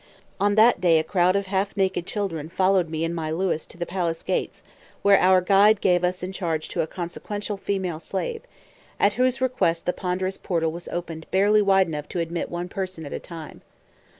On that day a crowd of half naked children followed me and my Louis to the palace gates, where our guide gave us in charge to a consequential female slave, at whose request the ponderous portal was opened barely wide enough to admit one person at a time.